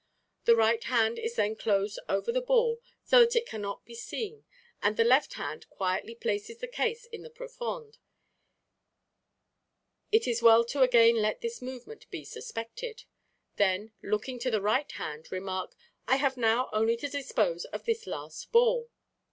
The right hand is then closed over the ball so that it cannot be seen and the left hand quietly places the case in the profonde. It is well to again let this movement be suspected. Then, looking to the right hand, remark, "I have now only to dispose of this last ball."